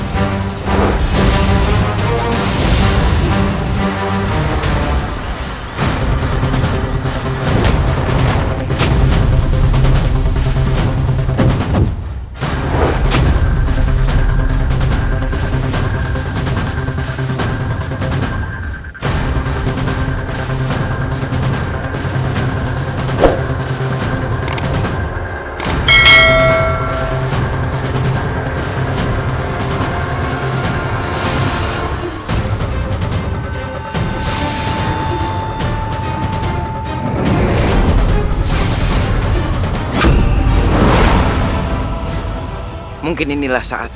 kau tidak perlu menghajar